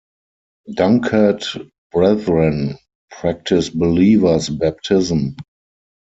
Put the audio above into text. Dunkard Brethren practice believer's baptism.